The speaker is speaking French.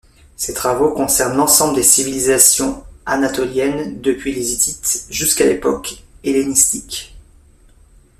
Ses travaux concernent l'ensemble des civilisations anatoliennes depuis les Hittites jusqu'à l'époque hellénistique.